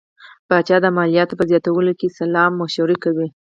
پاچا به د مالیاتو په زیاتولو کې سلا مشورې کوي.